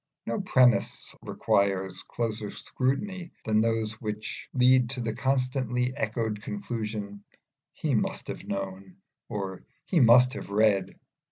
No premisses require closer scrutiny than those which lead to the constantly echoed conclusion, "He must have known," or "He must have read."